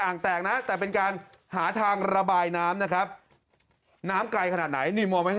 อ่างแตกนะแต่เป็นการหาทางระบายน้ำนะครับ